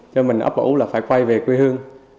cho mình ấp ủ là phải quay về quê hương